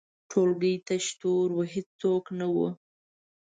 ټولګی تش تور و، هیڅوک نه وو.